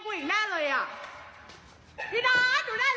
พี่ดาหนูได้รถมอเซย์